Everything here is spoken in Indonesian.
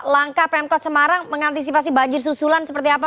langkah pemkot semarang mengantisipasi banjir susulan seperti apa